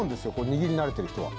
握り慣れてる人は。